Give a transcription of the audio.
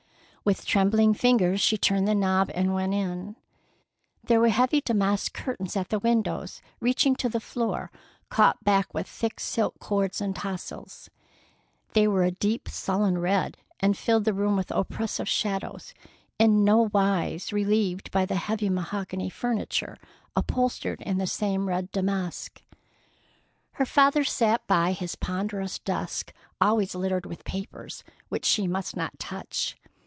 With trembling fingers she turned the knob and went in. There were heavy damask curtains at the windows, reaching to the floor, caught back with thick silk cords and tassels. They were a deep, sullen red, and filled the room with oppressive shadows in no wise relieved by the heavy mahogany furniture upholstered in the same red damask. Her father sat by his ponderous desk, always littered with papers which she must not touch.